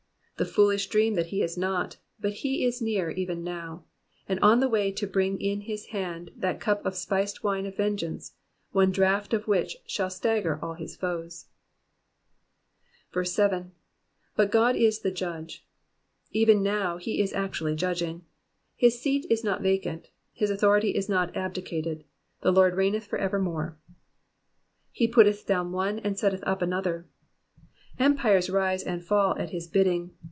The foolish dream that he is not, but he is near even now, and on the way to bring in his hand that cup of spiced wine of vengeance, one draught of which shall stagger all his foes. 7. Bat Qod is thejudge.'*^ Even now he is actually judging. His seat is not vacant ; his authority is not abdicated ; the Lord reigneth evermore. '*He putteth down one^ and setteth up another,'*^ Empires rise and fall at his bidding.